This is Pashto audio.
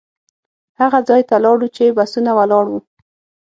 هغه ځای ته لاړو چې بسونه ولاړ وو.